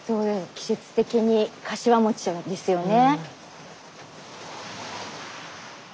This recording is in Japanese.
季節的にかしわ餅ですよね。